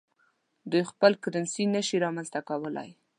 دوی خپل کرنسي نشي رامنځته کولای.